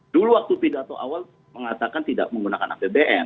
dulu waktu pidato awal mengatakan tidak menggunakan apbn